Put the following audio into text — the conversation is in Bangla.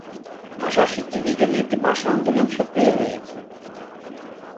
ভাষার স্বীকৃতির জন্য একটি ভাষা আন্দোলন সক্রিয় রয়েছে।